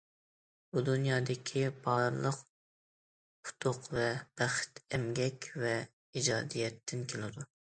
بۇ دۇنيادىكى بارلىق ئۇتۇق ۋە بەخت ئەمگەك ۋە ئىجادىيەتتىن كېلىدۇ.